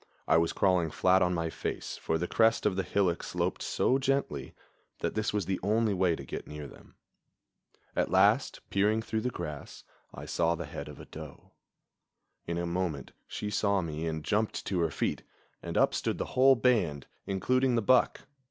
I was crawling flat on my face, for the crest of the hillock sloped so gently that this was the only way to get near them. At last, peering through the grass, I saw the head of a doe. In a moment she saw me and jumped to her feet, and up stood the whole band, including the buck.